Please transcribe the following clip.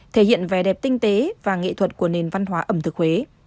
thể hiện vẻ đẹp tinh tế và nghệ thuật của nền văn hóa ẩm thực huế